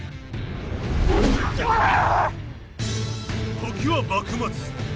時は幕末。